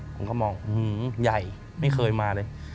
ผมก็มองใหญ่ไม่เคยมาเลย